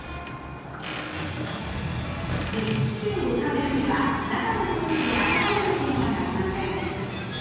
熱気球を浮かべるには中の空気を温めなければなりません。